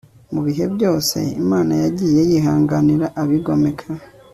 mu bihe byose imana yagiye yihanganira abigomeka